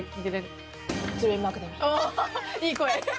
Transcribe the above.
いい声。